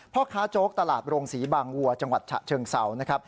พ่อค้าโจ๊กตลาดโรงศรีบางวัวจังหวัดเชิงเสา